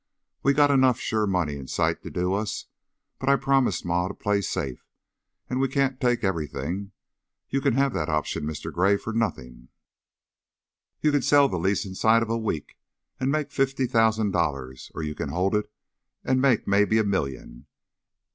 We got enough sure money in sight to do us, but I promised Ma to play safe, an' we can't take everything. You kin have that option, Mister Gray, for nothin'. You kin sell the lease inside of a week an' make fifty thousand dollars, or you kin hold it an' make mebbe a million.